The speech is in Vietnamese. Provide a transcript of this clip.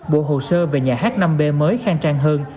bộ hồ sơ về nhà hát năm b mới khang trang hơn